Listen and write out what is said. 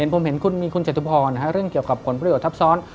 ผมเห็นคุณมีคุณจตุพรเรื่องเกี่ยวกับผลประโยชนทับซ้อน